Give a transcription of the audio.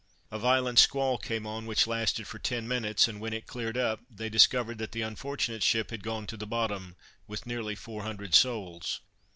A violent squall came on, which lasted for ten minutes, and when it cleared up, they discovered that the unfortunate ship had gone to the bottom, with nearly four hundred souls.